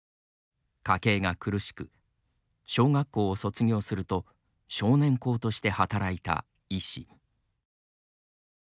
家計が苦しく小学校を卒業すると少年工として働いたイ氏。